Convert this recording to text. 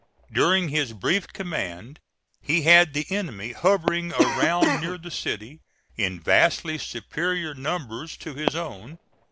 During his brief command he had the enemy hovering around near the city, in vastly superior numbers to his own.